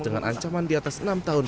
dengan ancaman di atas enam tahun